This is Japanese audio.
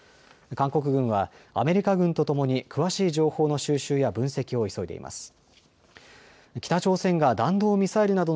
韓国軍はアメリカ軍とともに詳しい情報の収集や分析を急いでいます。